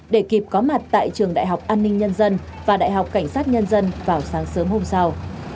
để kịp có mặt tại trường đại học an ninh nhân dân và đại học cảnh sát nhân dân vào sáng sớm hôm sau